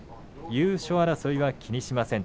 優勝争いは気にしません。